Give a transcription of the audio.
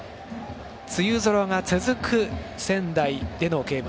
梅雨空が続く、仙台でのゲーム。